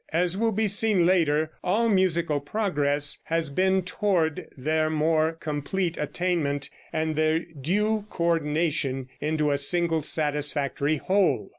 As will be seen later, all musical progress has been toward their more complete attainment and their due co ordination into a single satisfactory whole.